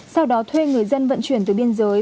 sau đó thuê người dân vận chuyển từ biên giới